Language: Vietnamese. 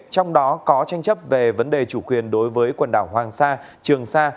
trong đó có tranh chấp về vấn đề chủ quyền đối với quần đảo hoàng sa trường sa